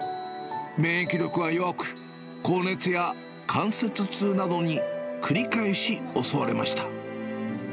免疫力は弱く、高熱や関節痛などに繰り返し襲われました。